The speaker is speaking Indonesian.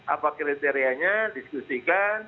apa kriterianya diskusikan